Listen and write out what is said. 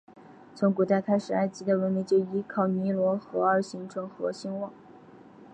从古代开始埃及的文明就依靠尼罗河而形成和兴旺。